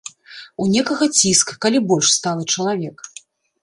У некага ціск, калі больш сталы чалавек.